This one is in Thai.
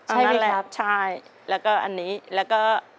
ใช่ไหมครับใช่และก็อันนี้และก็